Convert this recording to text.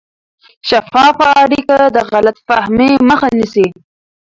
شفافه اړیکه د غلط فهمۍ مخه نیسي.